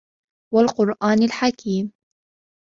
والقرآن الحكيم